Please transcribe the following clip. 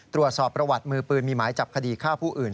ตรวจสอบประวัติมือปืนมีหมายจับคดีฆ่าผู้อื่น